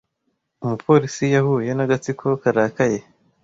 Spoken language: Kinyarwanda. Umupolisi yahuye n’agatsiko karakaye.